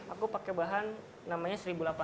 aku pakai bahan namanya seribu delapan ratus